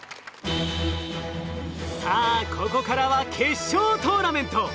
さあここからは決勝トーナメント。